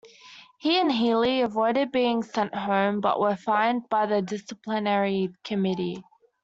He and Healey avoided being sent home but were fined by the disciplinary committee.